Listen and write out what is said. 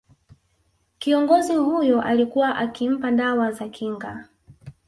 Kiongozi huyo alikuwa akimpa dawa za kinga